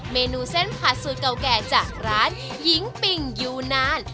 เมนูเส้นผัดสูตรเก่าแก่จากร้านหญิงปิงยูนาน